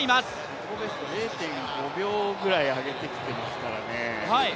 自己ベスト０．５秒ぐらい上げてきてますからね